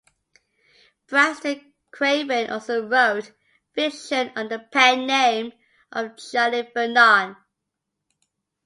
Braxton Craven also wrote fiction under the pen name of Charlie Vernon.